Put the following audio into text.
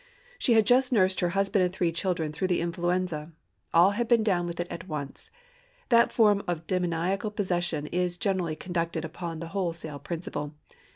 She had just nursed her husband and three children through the influenza. All had been down with it at once. That form of demoniacal possession is generally conducted upon the wholesale principle.